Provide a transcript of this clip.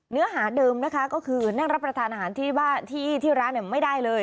เนื้อหาเดิมนะคะก็คือนั่งรับประทานอาหารที่ว่าที่ร้านไม่ได้เลย